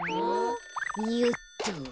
よっと。